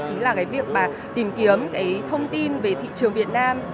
chính là cái việc mà tìm kiếm cái thông tin về thị trường việt nam